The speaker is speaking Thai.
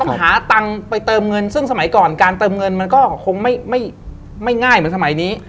หาตังค์ไปเติมเงินซึ่งสมัยก่อนการเติมเงินมันก็คงไม่ง่ายเหมือนสมัยนี้